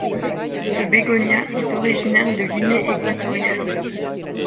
Ce bégonia est originaire de Guinée équatoriale.